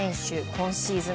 今シーズン